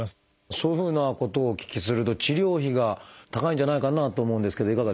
そういうふうなことをお聞きすると治療費が高いんじゃないかなと思うんですけどいかがですか？